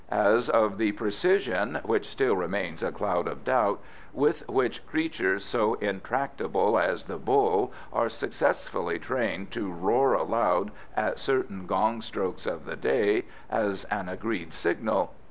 As of the precision (which still remains a cloud of doubt,) with which creatures so intractable as the bull are successfully trained to roar aloud at certain gong strokes of the day as an agreed signal.